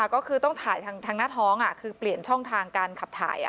ก็คือต้องถ่ายทางหน้าท้องคือเปลี่ยนช่องทางการขับถ่าย